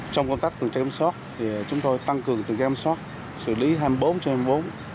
trong công tác tường trang kiểm soát chúng tôi tăng cường tường trang kiểm soát xử lý hai mươi bốn x hai mươi bốn